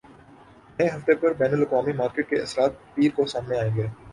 نئے ہفتے پر بین الاقوامی مارکیٹ کے اثرات پیر کو سامنے آئیں گے